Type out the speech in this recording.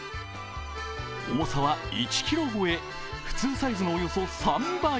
重さは１ｋｇ超え、普通サイズのおよそ３倍。